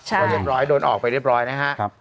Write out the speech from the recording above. พอเรียบร้อยโดนออกไปเรียบร้อยนะฮะ